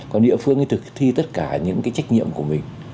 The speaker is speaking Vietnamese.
còn địa phương thì thực thi tất cả những cái trách nhiệm của mình